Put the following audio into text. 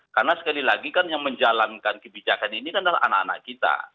karena sekali lagi kan yang menjalankan kebijakan ini kan adalah anak anak kita